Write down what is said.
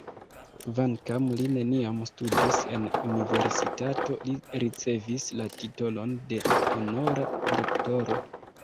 Kvankam li neniam studis en universitato, li ricevis la titolon de honora doktoro.